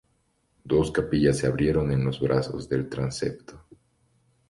Dos capillas se abrieron en los brazos del transepto.